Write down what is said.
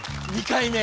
２回目。